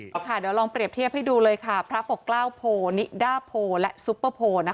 ได้แล้วลองเปรียบเทียบให้ดูเลยพระพวกกล้าวโพนิดาโพและซุปเปอร์โพ